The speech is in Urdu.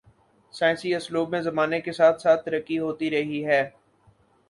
سائنسی اسلوب میں زمانے کے ساتھ ساتھ ترقی ہوتی رہی ہے۔